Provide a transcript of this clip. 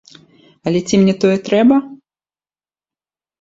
Але ці мне тое трэба?